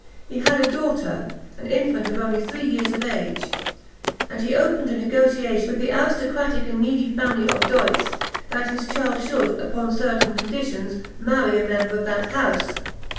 He had a daughter, an infant only three years of age, and he opened a negotiation with the aristocratic and needy family of D'Oyse, that this child should, upon certain conditions, marry a member of that house.